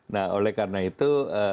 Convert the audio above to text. nah oleh karena itu